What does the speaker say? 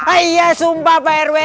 aiyah sumpah pak rw